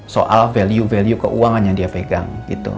soal value value keuangan yang dia pegang gitu